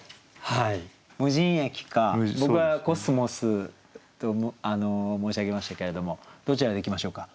「無人駅」か僕は「コスモス」と申し上げましたけれどもどちらでいきましょうか？